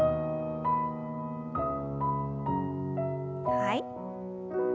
はい。